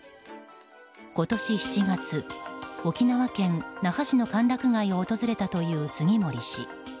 今年７月、沖縄県那覇市の歓楽街を訪れたという杉森氏。